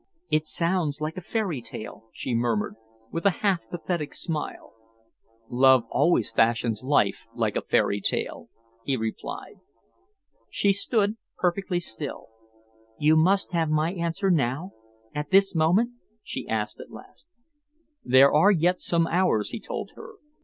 "It sounds like a fairy tale," she murmured, with a half pathetic smile. "Love always fashions life like a fairy tale," he replied. She stood perfectly still. "You must have my answer now, at this moment?" she asked at last. "There are yet some hours," he told her.